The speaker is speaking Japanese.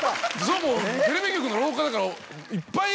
テレビ局の廊下だから。